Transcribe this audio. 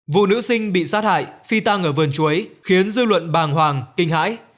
vụ nữ sinh bị sát hại phi tăng ở vườn chuối khiến dư luận bàng hoàng kinh hãi